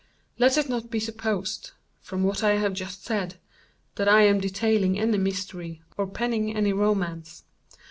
Let it not be supposed, from what I have just said, that I am detailing any mystery, or penning any romance.